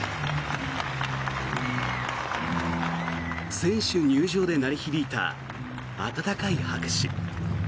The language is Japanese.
選手入場で鳴り響いた温かい拍手。